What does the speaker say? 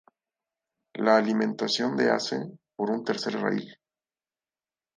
La alimentación de hace por un tercer rail.